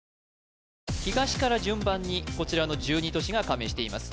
東から順番にこちらの１２都市が加盟しています